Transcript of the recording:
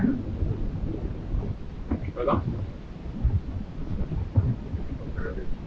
itu enggak masalah